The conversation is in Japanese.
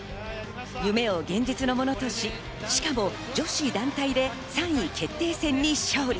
夢を現実のものとし、しかも女子団体で３位決定戦に勝利。